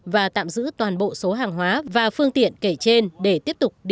và tạm giữ toàn bộ số hàng hóa và phương tiện kể trên để tiếp tục điều tra làm rõ